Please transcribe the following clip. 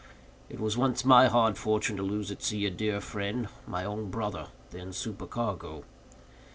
It was once my hard fortune to lose, at sea, a dear friend, my own brother, then supercargo.